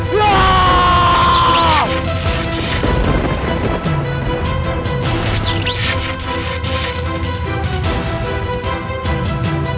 baman bertahanlah baman